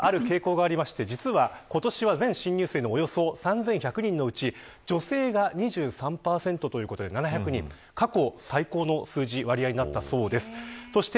さて、今年の東大にはある傾向があって今年は全新入生の３１００人のうち女性が２３％ということで７００人、過去最高の割合になったそうです。